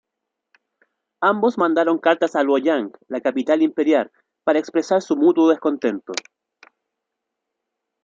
Ambos mandaron cartas a Luoyang, la capital imperial, para expresar su mutuo descontento.